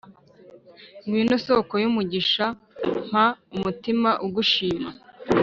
Ngwino soko y’umugisha mpa umutima ugushima